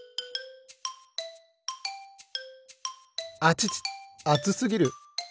あちちあつすぎる！